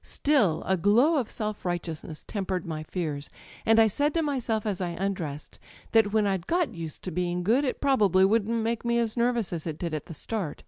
. Still, a glow of self righteousness tempered my fears, and I said to myself as I undressed that when I'd got used to being good it probably wouldn't make me as nervous as it did at the start.